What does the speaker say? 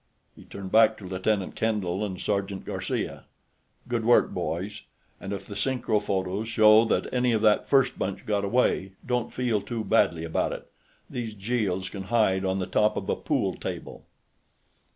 He turned back to Lieutenant Kendall and Sergeant Garcia. "Good work, boys. And if the synchro photos show that any of that first bunch got away, don't feel too badly about it. These Jeels can hide on the top of a pool table."